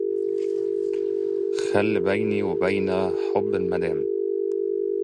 خل بيني وبين حب المدام